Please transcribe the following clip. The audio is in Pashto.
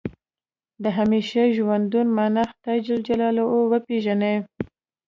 د همیشه ژوندون معنا خدای جل جلاله وپېژني.